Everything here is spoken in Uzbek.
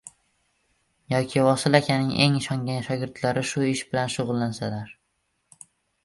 yoki Vosil akaning eng ishongan shogirdlari shu ish bilan shug‘ullansalar.